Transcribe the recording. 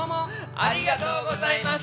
ありがとうございます。